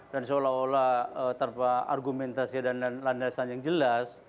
dan seolah olah terpah argumentasi dan landasan yang jelas